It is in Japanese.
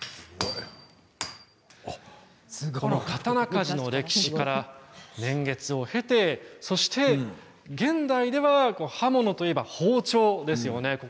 この刀鍛冶の歴史から年月を経てそして現代では刃物といえば包丁ですよね。